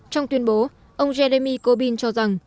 trong tuyên bố ông jeremy corbyn cho rằng